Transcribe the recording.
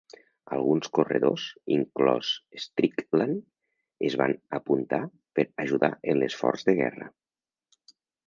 Alguns corredors, inclòs Strickland, es van apunta per ajudar en l'esforç de guerra.